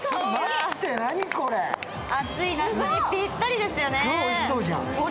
暑い夏にぴったりですよね。